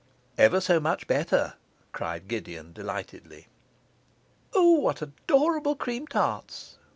'Ever so much better,' cried Gideon delightedly. 'O what adorable cream tarts!